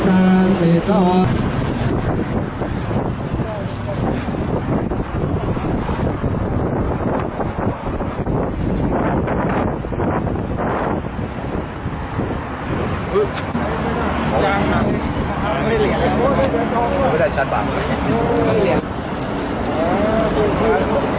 สวัสดีครับสวัสดีครับ